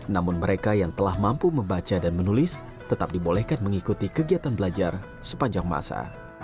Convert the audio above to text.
namun mereka yang telah mampu membaca dan menulis tetap dibolehkan mengikuti kegiatan belajar sepanjang masa